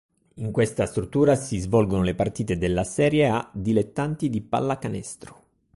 In questa struttura si svolgono le partite della Serie A Dilettanti di pallacanestro.